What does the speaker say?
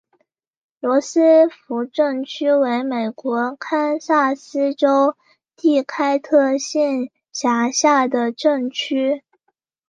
罗斯福镇区为美国堪萨斯州第开特县辖下的镇区。